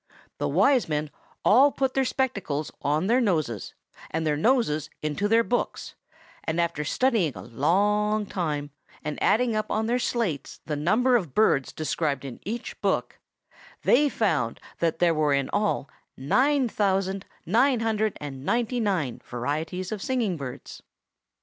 The Wise Men all put their spectacles on their noses, and their noses into their books, and after studying a long time, and adding up on their slates the number of birds described in each book, they found that there were in all nine thousand nine hundred and ninety nine varieties of singing birds.